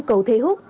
cầu thế húc